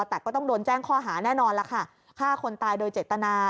แต่ก็ต้องโดนแจ้งข้อหาแน่นอนล่ะค่ะฆ่าคนตายโดยเจตนา